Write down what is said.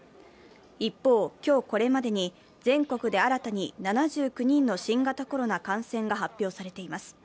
一方、今日これまでに全国で新たに７９人の新型コロナ感染が発表されています。